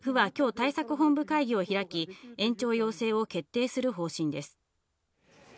府は今日、対策本部会議を開き延長要請を決定する方針です。